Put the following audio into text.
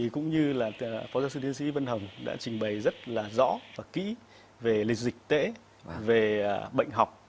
cũng như là phó giáo sư tiến sĩ vân hồng đã trình bày rất là rõ và kỹ về lịch dịch tễ về bệnh học